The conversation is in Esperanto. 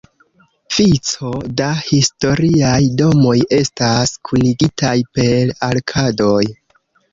Vico da historiaj domoj estas kunigitaj per arkadoj.